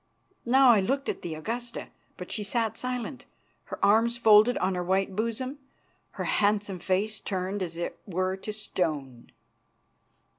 Now I looked at the Augusta, but she sat silent, her arms folded on her white bosom, her handsome face turned as it were to stone.